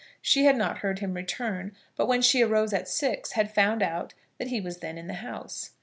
She had not heard him return, but, when she arose at six, had found out that he was then in the house.